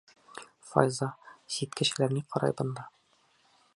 Файза, сит кешеләр ни ҡарай бында?